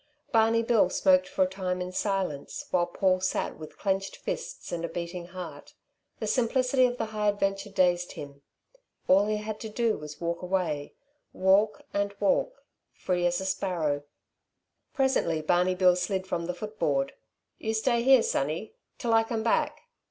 Barney Bill smoked for a time in silence, while Paul sat with clenched fists and a beating heart. The simplicity of the high adventure dazed him. All he had to do was to walk away walk and walk, free as a sparrow. Presently Barney Bill slid from the footboard. "You stay here, sonny, till I come back."